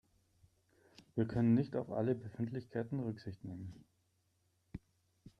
Wir können nicht auf alle Befindlichkeiten Rücksicht nehmen.